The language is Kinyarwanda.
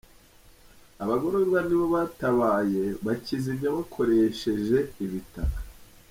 Abagororwa ni bo batabaye bakizimya bakoresheje ibitaka.